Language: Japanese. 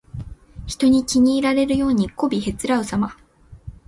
人に気に入られるようにこびへつらうさま。